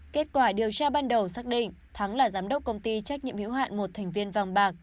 kết quả điều tra ban đầu xác định thắng là giám đốc công ty trách nhiệm hiếu hạn một thành viên vàng bạc